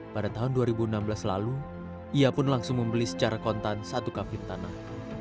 pada tahun dua ribu enam belas lalu ia pun langsung membeli secara kontan satu kafin tanah